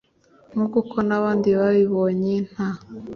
nk uko n abandi babibonye nta